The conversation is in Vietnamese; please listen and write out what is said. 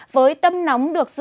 với tâm nóng được giảm